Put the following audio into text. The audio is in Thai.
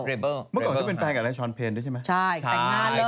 เมื่อก่อนก็เป็นแฟนกับช้อนเพนด้วยใช่ไหม